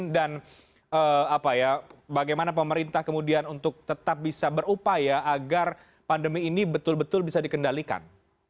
dan bagaimana pemerintah kemudian untuk tetap bisa berupaya agar pandemi ini betul betul bisa dikendalikan